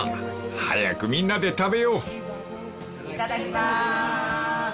［早くみんなで食べよう］いただきます。